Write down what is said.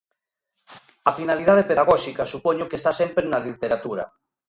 A finalidade pedagóxica supoño que está sempre na literatura.